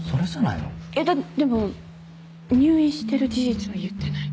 いやでも入院してる事実は言ってない。